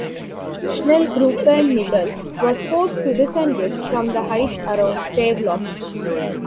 Schnellgruppe Knittel was forced to disengage from the heights around Stavelot.